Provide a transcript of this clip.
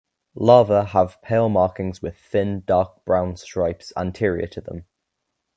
Larvae have pale markings with thin dark brown stripes anterior to them.